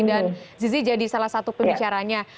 dan zizi jadi salah satu pembicaranya